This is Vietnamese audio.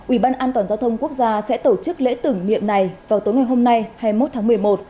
ủy ban an toàn giao thông quốc gia sẽ tổ chức lễ tưởng niệm này vào tối ngày hôm nay hai mươi một tháng một mươi một